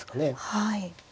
はい。